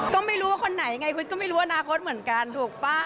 ก็ไม่รู้ว่าคนไหนไงคริสก็ไม่รู้อนาคตเหมือนกันถูกป่ะ